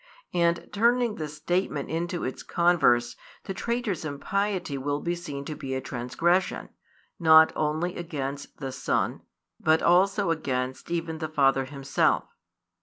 And turning the statement into its converse, the traitor's impiety will be seen to be a transgression, not only against the Son, but also against even the Father Himself.